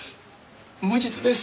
無実です。